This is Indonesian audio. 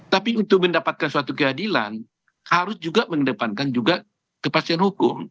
tapi untuk mendapatkan suatu keadilan harus juga mengedepankan juga kepastian hukum